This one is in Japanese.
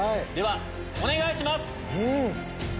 ではお願いします！